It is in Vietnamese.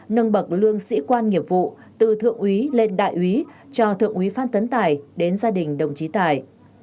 nâng bậc lương sĩ quan nghiệp vụ từ thượng úy lên đại úy cho thượng úy phan tấn tài đến gia đình đồng chí tài